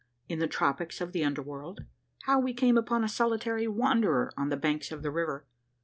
— IN THE TROPICS OF THE UNDER WORLD. — HOW WE CAME UPON A SOLITARY WANDERER ON THE BANKS OF THE RIVER.